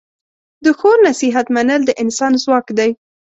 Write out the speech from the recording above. د ښو نصیحت منل د انسان ځواک دی.